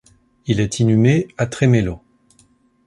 Il est inhumé à Tremelo.